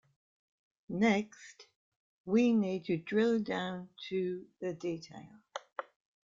Next, we need to drill down to the detail.